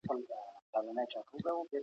ایا تکړه پلورونکي پسته اخلي؟